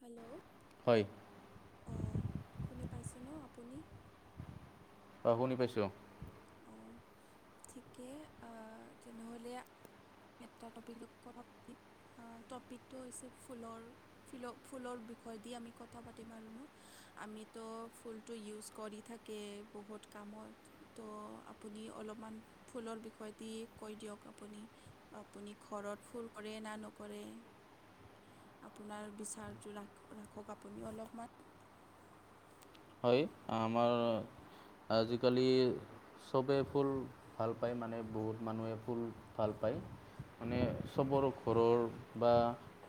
Hello, হয় অঁ শুনি পাইছ ন পুনি অ শুনি পাইছোঁ ঠিকে তেনেহ'লে ক্ষেত্ৰ টপিকোক ক আপুনি টপিকটো হৈছে ফুলৰ ফ ফুলৰ বিষয়ে দি আমি কথা পাতিম আৰু ন আমিতো ফুলটো ইউজ কৰি থাকে বহুত কামত তো আপুনি অলপমান ফুলৰ বিষয় দি কৈ দিয়ক আপুনি আপুনি ঘৰত ফুল কৰে না নকৰে আপোনাৰ বিচাৰটো ৰাখক আপুনি অলপমান হয় আমাৰ আজিকালি চবে ফুল ভাল পায় মানে বহুত মানুহে ফুল ভাল পায় হয়। মানে চবৰ ঘৰৰ বা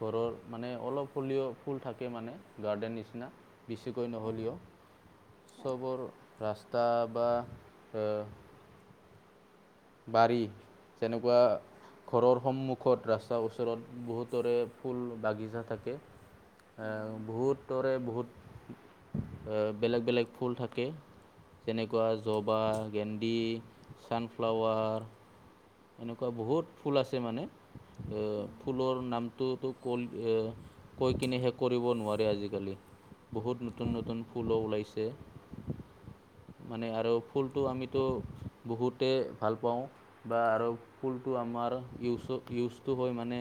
ঘৰৰ মানে অলপ হলিও' ফুল থাকে মানে গাৰ্ডে নিচিনা বেছিকৈ উম, নহ'লেও হয় চবৰ ৰাস্তা বা অ বাৰী তেনেকুৱা ঘৰৰ সন্মুখত ৰাস্তাৰ ওচৰত বহুতৰে ফুল বাগিচা থাকে। উম, বহুতৰে বহুত বেলেগ -বেলেগ ফুল থাকে। যেনেকুৱা জবা, গেন্দি, চান ফ্লাৱাৰ এনেকুৱা বহুত ফুল আছে মানে উম, ফুলৰ নাম টো টো কৈ কিনে শেষ কৰিব নোৱাৰে আজিকালি বহুত নতুন হয় নতুন ফুলো ওলাইছে মানে আৰু ফুলটো আমিতো বহুতে ভাল পাওঁ বা আৰু ফুলটো আমাৰ ইউজ ইউজটো হয় মানে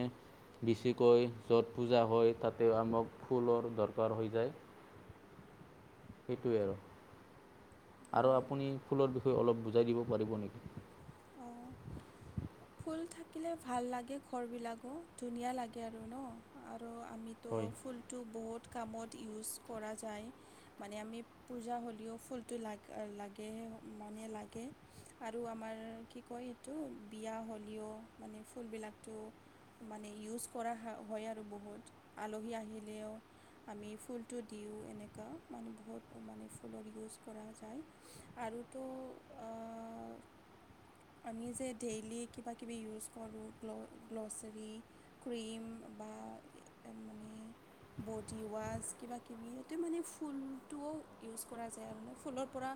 বেছিকৈ য'ত পূজা হয় তাতে আমাক ফুলৰ দৰকাৰ হৈ যায় সেইটোৱে আৰু আৰু হয় আপুনি ফুলৰ বিষয়ে অলপ বুজাই দিব পাৰিব নেকি অ ফুল থাকিলে ভাল লাগে ঘৰবিলাকো ধুনীয়া লাগে আৰু ন আৰু আমিতো হয় ফুলটো বহুত কামত ইউজ কৰা যায় মানে আমি পূজা হ'লেও ফুলটো লাগ লাগে মানে লাগে আৰু আমাৰ কি কয় এইটো বিয়া হ'লেও মানে ফুলবিলাকটো মানে ইউজ কৰা হয় আৰু বহুত আলহী আহিলেও আমি ফুলটো দিওঁ এনেকুৱা মানে বহুত মানে ফুলৰ ইউজ কৰা যায় টো অ আমি যে ডেইলি কিবা কিবি ইউজ কৰোঁ গ্ল'ছাৰী ক্ৰীম বা বা মানে বডি ৱাছ কিবাকিবি তাতে মানে ফুলটোও ইউজ কৰা যায় আৰু ন ফুলৰ পৰা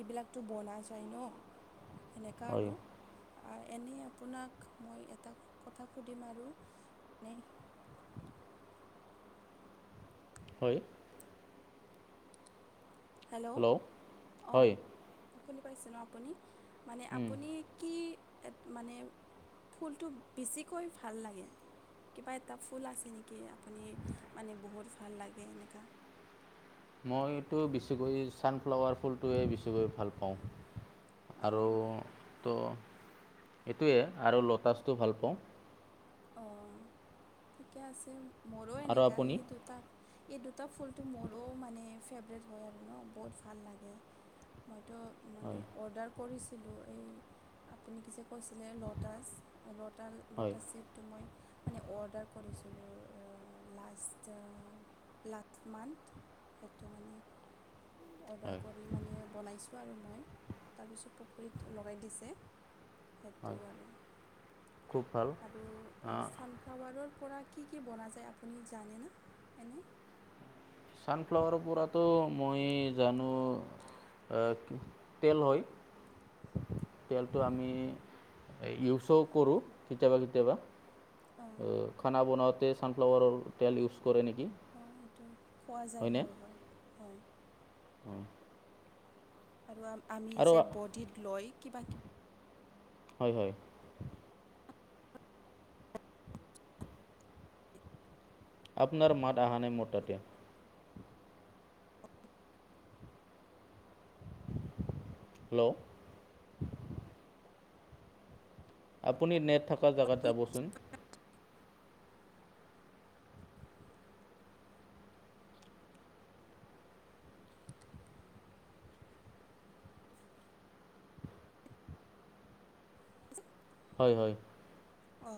এইবিলাকতো বনা যায় ন এনেকুৱা হয় আৰু এনেই আপোনাক মই এটা কথা সুধিম আৰু মানে [inaudible] হয় হেল্ল' অঁঁ হয় শুনি পাইছে ন আপুনি মানে আপুনি কি মানে ফুলটো বেছিকৈ ভাল লাগে কিবা এটা ফুল আছে নেকি আপুনি মানে বহুত ভাল লাগে এনেকুৱা মইতো বেছিকৈ ছানফ্লাৱাৰ ফুলটোৱে বেছিকৈ ভাল পাওঁ। আৰু অঁ ত' এইটোৱে আৰু লোটাছটো ভাল পাওঁ। অ', ঠিকে আছে মোৰো আৰু এনেকুৱা আপুনি ই দুটা এই দুটা ফুলটো মোৰো মানে ফেভৰেট হয় আৰু ন বহুত ভাল লাগে। মইতো মানে হয় অৰ্ডাৰ কৰিছিলোঁ এই আপুনি কি যে কৈছিলে ল'তাচ লতা হয় ল'তাচ টো মই মানে অৰ্ডাৰ কৰিছিলোঁ লাষ্ট লাষ্ট মান্থ সেইটো মানে হয় অৰ্ডাৰ কৰি মানে বনাইছোঁ আৰু মই। তাৰপিছত পুখুৰীত লগাই দিছে সেইটো হয় আৰু খুব ভাল। [unintelligible] ছানফ্লাৱাৰৰ পৰা কি কি বনা যায় আপুনি জানে না ছানফ্লাৱাৰৰ পৰাতো মই জানো তেল হয়। তেলটো আমি ইউজো কৰোঁ কেতিয়াবা কেতিয়াবা অঁ খানা বনাওঁতে ছানফ্লাৱাৰৰ তেল ইউজ কৰে নেকি অ', এইটো খোৱা যায় হয়নে হয়, হয়, হয় আৰু আমি আৰু যে বডিত লৈ কিবা কিবি হয়, হয়। আপোনাৰ মাত অহা নাই মোৰ টাতে। হেল্ল'। আপুনি নেট থকা জেগাত কিবি যাবচোন। হয়, হয়। অ'।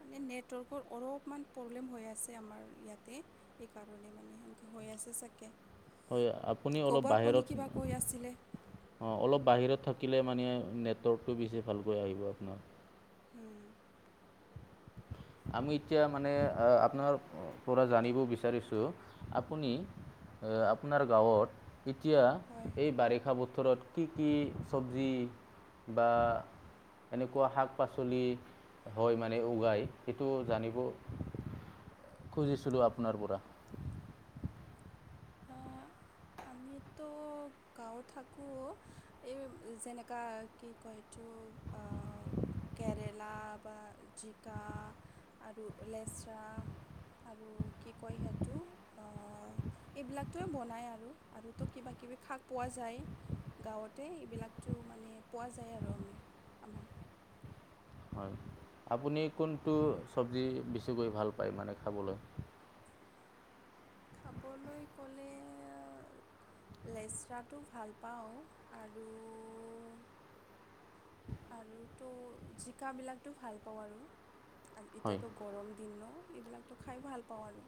মানে নেটৱৰ্কৰ অলপমান প্ৰব্লেম হৈ আছে আমাৰ ইয়াতে এইকাৰণে মানে। হৈ আছে চাগে। হয় আপুনি ক'ব অলপ আপুনি বাহিৰত কিবা কৈ আছিলে অ', অলপ বাহিৰত থাকিলে মানে নেটৱৰ্কটো বেছি ভালকৈ আহিব আপোনাৰ। হুম। আমি এতিয়া মানে আপোনাৰ পৰা জানিব বিচাৰিছোঁ আপুনি আপোনাৰ গাঁৱত এতিয়া হয় এই বাৰিষা বতৰত কি কি চব্জি বা এনেকুৱা শাক- পাচলি হয় মানে উগাই সেইটো জানিব খুজিছিলোঁ আপোনাৰ পৰা। অ'। আমিতো গাঁৱত থাকো এই যেনেকা কি কয় আ' কেৰেলা বা জিকা আৰু লেচৰা আৰু কি কয় সিহতটো অহ এইবিলাকটোৱে বনায় আৰু আৰুতো কিবা কিবি শাক পোৱা যায়। গাঁৱতে এইবিলাকত মানে পোৱা যায় আৰু আমি আমাৰ। হয় আপুনি কোনটো চব্জি বেছিকৈ ভাল পায় মানে খাবলৈ। খাবলৈ ক'লে লেচৰাটো ভাল পাওঁ আৰু আৰু তো জিকা বিলাকতো ভাল পাওঁ আৰু হয় এতিয়াতো গৰম দিনো এইবিলাকতো খাই ভাল পাওঁ আৰু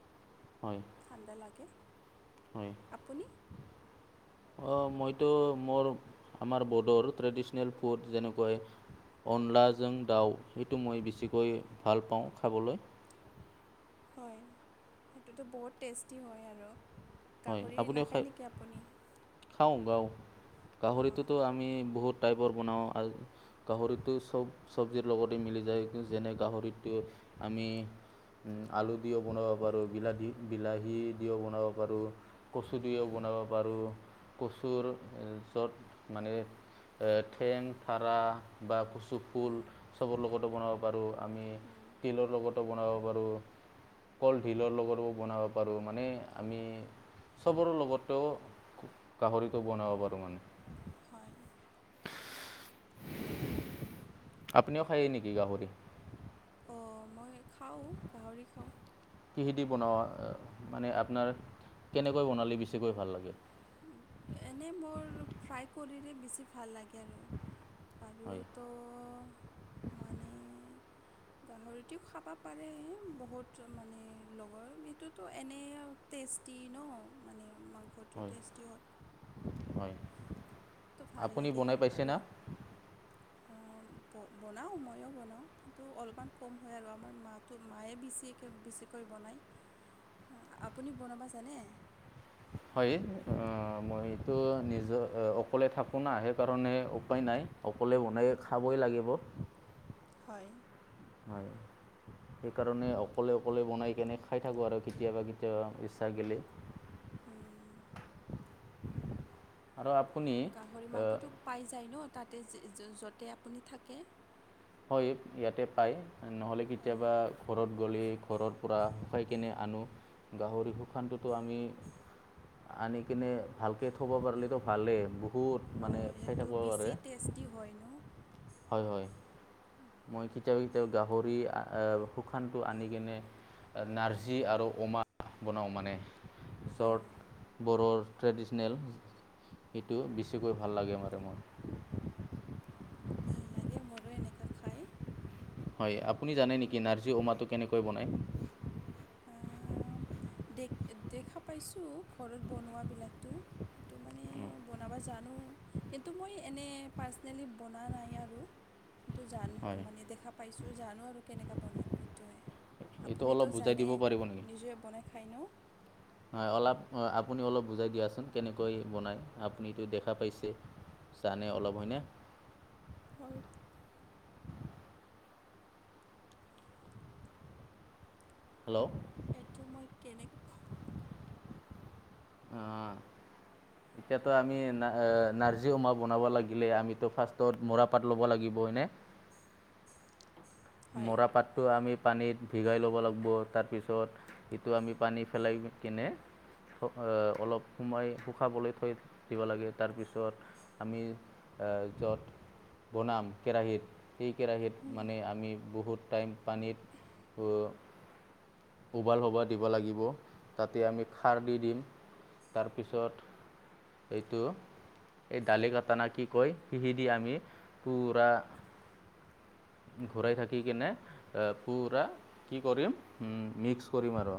হয় ঠাণ্ডা লাগে হয় আপুনি? অ, মইতো মোৰ আমাৰ বড়োৰ ট্ৰেডিচনেল ফুড যেনেকৈ অনলাাজং দাউ সেইটো মই বেছিকৈ ভাল পাওঁ খাবলৈ। হয় সেইটোতো বহুত টেষ্টি হয় আৰু হয় গাহৰি আপুনিও নাখায় খাই নেকি আপুনি? খাওঁ গাওঁ অঁ গাহৰিটোতো আমি বহুত টাইপৰ বনাও গাহৰিটো চব চব্জিৰ লগতে মিলি যায় যেনে গাহৰিটো আমি আমি আলু দিও বনাব পাৰোঁ বিলাহী বিলাহী দিও বনাব পাৰোঁ, কচু দুইও বনাব পাৰোঁ কচুৰ য'ত মানে ঠেং পাৰা বা চ ফুল উম, চবৰ লগতো বনাব পাৰোঁ আমি উম, তিলৰ লগতো বনাওঁ। কলধিলৰ লগত ও বনাব পাৰোঁ মানে আমি চবৰে লগতেও গাহৰিকো বনাব পাৰোঁ মানে। হয়। আপুনিও খাই নেকি গাহৰি? অঁ মই খাওঁ গাহৰি খাওঁ। কিহেৰে বনুৱা মানে আপোনাৰ কেনেকৈ বনালে বেছিকৈ ভাল লাগে? এনেই মোৰ ফ্ৰাই কৰিৰে বেছি ভাল লাগে আৰু হয় আৰুতো মানে গাহৰিটোও খাব পাৰে বহুত মানে লগৰ এইটোতো এনে টেষ্ট টেষ্টি ন মানে মাংসটো হয় টেষ্টি হয়। হয় তো ভাল আপুনি বনাই পাইছে না? অ' বনাওঁ ময়ো বনাওঁ কিন্তু অলপমান কম হয় আৰু আমাৰ মাটো মায়ে বেছিকে বেছিকৈ আপুনি বনাব জানে? হয় মইতটো নিজৰ অকলে থাকোঁ ন সেইকাৰণে উপায় নাই অকলে বনাই খাবই লাগিব হয়ায় হয় সেইকাৰণে অকলে অকলে বনাই কেনে খাই থাকোঁ আৰু কেতিয়াবা কেতিয়াবা ইচ্ছা গলে উম আৰু আপুনি গাহৰি মাংসটো পাই যায় ন তাতে য'তে আপুনি থাকে হয় ইয়াতে পায় নহ'লে অঁ কেতিয়াবা ঘৰত গ'লে ঘৰৰ পৰা শুকাই কিনে আনো গাহৰি শুশানটোতো আমি আনি কিনে ভালকে থব পাৰিলো ভালেই বহুত মানে অঁ খাই সেইটো থাকিব বেছি পাৰে টেষ্টি হয় ন হয় হয় মই কেতিাব কেতিাব গাহৰি শুশানটো আনি কিনে নাৰ্জি আৰু অমা বনাওঁ মানে অঁ চৰ্ট বৰৰ ট্ৰেডিচনেল এইটো বেছিকৈ ভাল লাগে মানে মই ভাল লাগে মোৰো এনেকুৱা খাই হয় আপুনি জানে নেকি নাৰ্জী অমাটো কেনেকৈ বনায় দে দেখা পাইছোঁ ঘৰত বনোৱাবিলাকতো সেইটো মানে বনাব জানো কিন্তু মই এনেই পাৰ্চনেলি বনাোৱা নাই আৰু কিন্তু জান হয় মানে দেখা পাইছোঁ জানো আৰু কেনেকুৱা বনাওঁ এইটোৱে এইটো আপুনিতো অলপ বুজাই জানে দিব পাৰিব নেকি নিজে বনাই খাই ন অলপ আপুনি অলপ বুজাই দিয়াচোন কেনেকৈ বনায় আপুনিটো দেখা পাইছে জানে অলপ হয়নে হয় হেল্ল' এইটো মই কেনেকৈ আহ এতিয়াাতো আমি না নাৰ্জী উমা বনাব লাগিলে আমিতো ফাৰ্ষ্টত মৰা পাত ল'ব লাগিব বৈ নে হয় মৰা পাতটো আমি পানীত ভিগাই ল'ব লাগিব তাৰপিছত সেইটো আমি পানী পেলাই কিনে অলপ সময় শুকাবলৈ থৈ দিব লাগে তাৰপিছত আমি য'ত বনাম কেৰাহিত সেই কেৰাহীত উম, মানে আমি বহুত টাইম পানীত উৱাল হ'ব দিব লাগিব তাতে আমি খাৰ দি দিম তাৰপিছত এইটো এই দালি কটানা কি কয় সিহি দি আমি পুৰা ঘূৰাই থাকে শ কেনে পুৰা কি কৰিম মিক্স কৰিম আৰু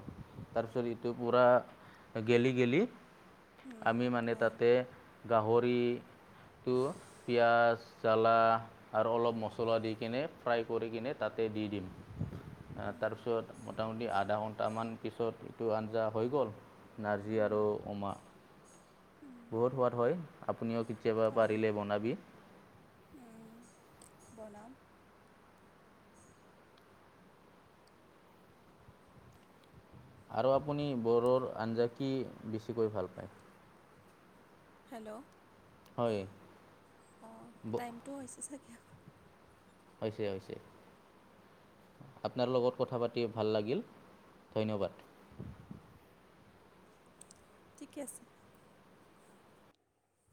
তাৰপিছতটো পুৰা গেলি গেলি উম, আমি মানে হয় তাতে দুই পিঁয়জ জ্বালা আৰু অলপ মছলা দি কিনে ফ্ৰাই তাতে দি দিম তাৰ উম, পাছত মোতা মোতি আধাঘণ্টা ছটামান পিছত এইটো আঞ্জা হৈ গ'ল নাৰ্জী উম, আৰু ও মা উম, বহুত সোৱাদ হয় এনেও কেতিয়াবা হয় পাৰিলে বনাবি উম, বনাম আৰু আপুনি বড়ৰ আঞ্জা কি বেছিকৈ ভাল পায় হেল্ল' হয় অ ব- টাইমটো হৈছে চাগে হৈছে হৈছে আপোনাৰ লগত কথা পাতি ভাল লাগিল ধন্যবাদ ঠিকে আছে